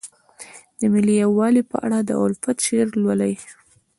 د ملي یووالي په اړه د الفت شعر لولئ.